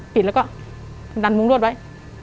ปิดแล้วก็ดันมุ้งรวดไว้